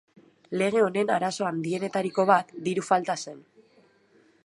Lege honen arazo handienetariko bat diru falta zen.